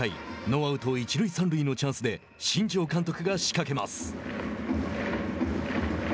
ノーアウト、一塁三塁のチャンスで新庄監督が仕掛けます。